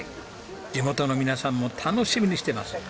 地元の皆さんも楽しみにしてます。